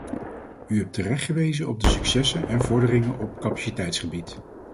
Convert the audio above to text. U hebt terecht gewezen op de successen en vorderingen op capaciteitsgebied.